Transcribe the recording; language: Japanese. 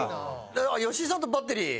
吉井さんとバッテリー。